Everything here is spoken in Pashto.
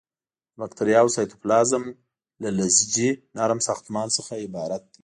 د باکتریاوو سایتوپلازم له لزجي نرم ساختمان څخه عبارت دی.